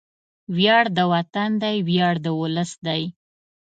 وياړ د وطن دی، ویاړ د ولس دی